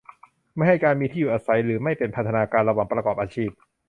ไม่ให้การมีที่อยู่อาศัยหรือไม่เป็นพันธนาการระหว่างประกอบอาชีพ